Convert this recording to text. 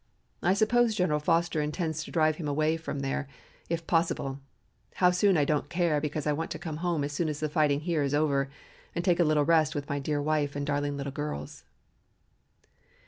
I suppose General Foster intends to drive him away from there, if possible, how soon I don't care because I want to come home as soon as the fighting here is over, and take a little rest with my dear wife and darling little girls."